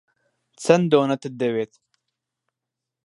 چەند دۆنەتت دەوێت؟